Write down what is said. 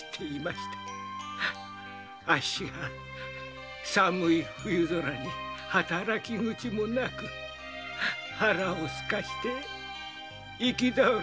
あっしが寒い冬空に働き口もなく腹を空かして行き倒れになっちまって。